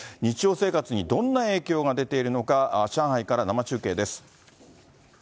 日常生活にどんな影響が出ているのか、上海から生中継です。